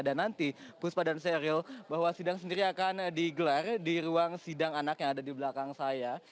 dan nanti puspa dan serio bahwa sidang sendiri akan digelar di ruang sidang anak yang ada di belakang saya